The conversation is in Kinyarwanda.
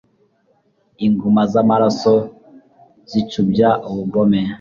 Inguma z’amaraso zicubya ubugome